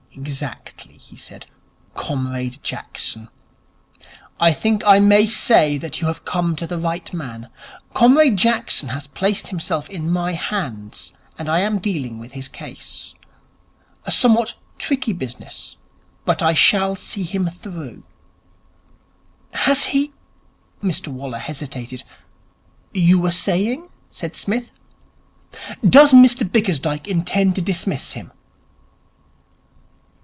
'Exactly,' he said. 'Comrade Jackson. I think I may say that you have come to the right man. Comrade Jackson has placed himself in my hands, and I am dealing with his case. A somewhat tricky business, but I shall see him through.' 'Has he ?' Mr Waller hesitated. 'You were saying?' said Psmith. 'Does Mr Bickersdyke intend to dismiss him?'